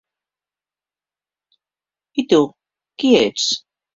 I tu, qui ets?